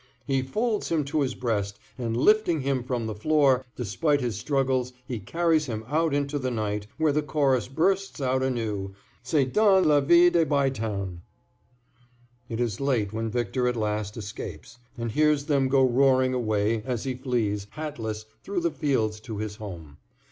He folds him to his breast, and, lifting him from the floor, despite his struggles he carries him out into the night, where the chorus bursts out anew—"C'est dans la vill' de Bytown." It is late when Victor at last escapes, and hears them go roaring away as he flees, hatless, through the fields to his home.